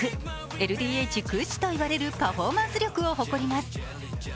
ＬＤＨ屈指といわれるパフォーマンス力を誇ります。